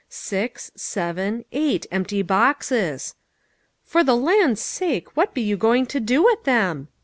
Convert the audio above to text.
Six, seven, eight empty boxes !" For the land's sake, what be you going to do with them